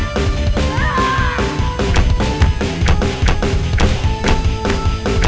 contre matem benteng terjata